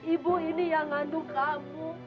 ibu ini yang nganduk kamu